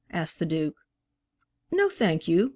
asked the Duke. "No, thank you.